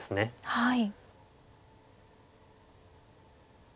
はい。